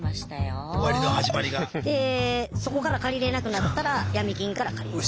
そこから借りれなくなったらヤミ金から借りる。